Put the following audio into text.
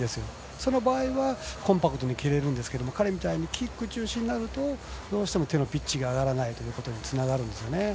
その場合、コンパクトに蹴れるんですが彼みたいにキック中心になるとどうしても手のピッチが上がらないということにつながるんです。